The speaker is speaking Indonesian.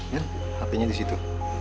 ya hpnya disitu